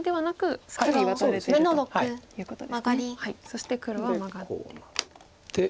そして黒はマガって。